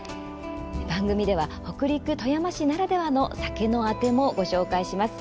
番組では北陸・富山市ならではの酒のあてもご紹介します。